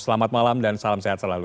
selamat malam dan salam sehat selalu